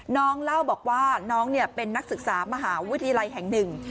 น้องเล่าบอกว่าน้องเป็นนักศึกษามหาวิทยาลัยแห่งหนึ่ง